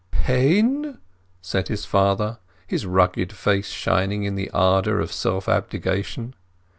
"Pain?" said his father, his rugged face shining in the ardour of self abnegation.